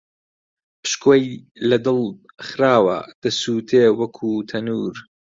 پشکۆی لە دڵ خراوە، دەسووتێ وەکوو تەنوور